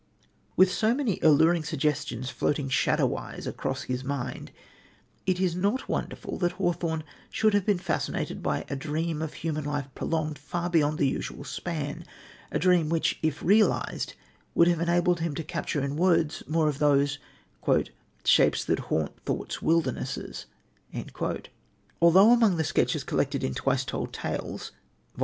With so many alluring suggestions floating shadowwise across his mind, it is not wonderful that Hawthorne should have been fascinated by the dream of a human life prolonged far beyond the usual span a dream, which, if realised, would have enabled him to capture in words more of those "shapes that haunt thought's wildernesses." Although among the sketches collected in Twice Told Tales (vol.